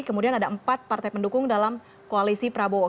kemudian ada empat partai pendukung dalam koalisi prabowo